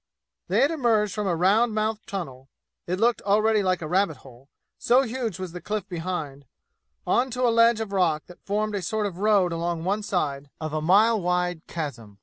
They had emerged from a round mouthed tunnel it looked already like a rabbit hole, so huge was the cliff behind on to a ledge of rock that formed a sort of road along one side of a mile wide chasm.